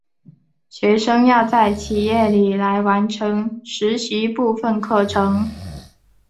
学生要在企业里来完成实习部分课程。